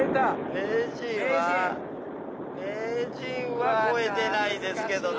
名人は超えてないですけどね。